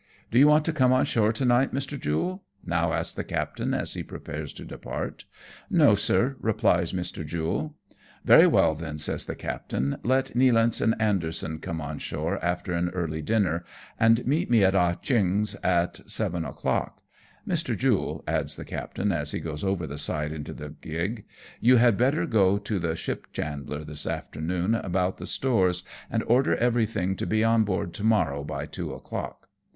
Do you want to come on shore to night, Mr. Jule ?" now asks the captain as he prepares to depart. " No, sir/' replies Mr. Jule. " Very well, then," says the captain, " let Nealance and Anderson come on shore after an early dinner, and meet me at Ah Cheong's at seven o'clock. Mr. Jule," adds the captain, as he goes over the side into the gig, " you had better go to the ship chandler, this afternoon, about the stores, and order everything to be on board to morrow by two o'clock.